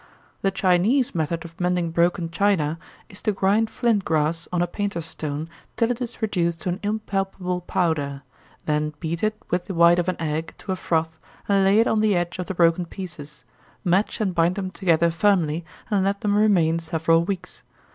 The Chinese method of mending broken china, is to grind flint glass, on a painter's stone, till it is reduced to an impalpable powder: then beat it with the white of an egg, to a froth, and lay it on the edge of the broken pieces, match and bind them together firmly, and let them remain several weeks.